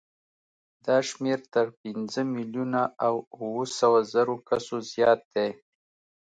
دا شمېر تر پنځه میلیونه او اوه سوه زرو کسو زیات دی.